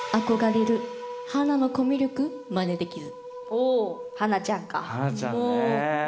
お華ちゃんか。